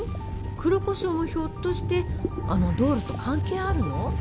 黒コショウもひょっとしてあの道路と関係あるの？